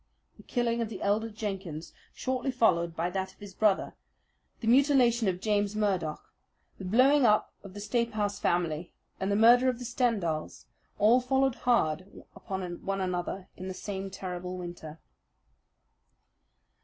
The killing of the elder Jenkins, shortly followed by that of his brother, the mutilation of James Murdoch, the blowing up of the Staphouse family, and the murder of the Stendals all followed hard upon one another in the same terrible winter.